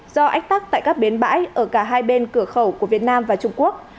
do ách tắc tại các bến bãi ở cả hai bên cửa khẩu của việt nam và trung quốc